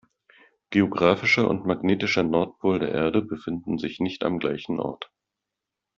Geographischer und magnetischer Nordpol der Erde befinden sich nicht am gleichen Ort.